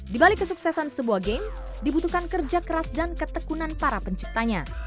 di balik kesuksesan sebuah games dibutuhkan kerja keras dan ketekunan para penciptanya